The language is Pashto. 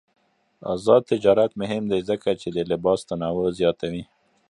آزاد تجارت مهم دی ځکه چې د لباس تنوع زیاتوي.